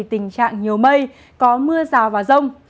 tình trạng nhiều mây có mưa rào và rông